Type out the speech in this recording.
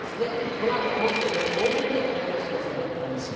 この後本編の大喜利で発表しますのでお楽しみに。